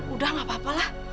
udah gak apa apalah